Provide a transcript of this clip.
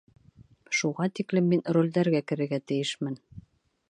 Шуға тиклем мин ролдәргә керергә тейешмен!